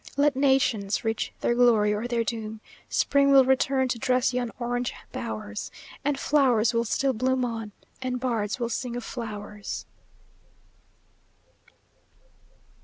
Let nations reach their glory or their doom, Spring will return to dress yon orange bowers, And flowers will still bloom on, and bards will sing of flowers."